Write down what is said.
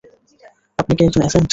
আপনি কি একজন এজেন্ট?